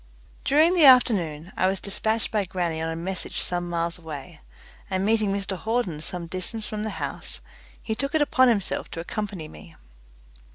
During the afternoon I was dispatched by grannie on a message some miles away, and meeting Mr Hawden some distance from the house, he took it upon himself to accompany me.